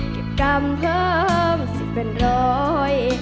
เก็บกรรมเพิ่มสิเป็นร้อย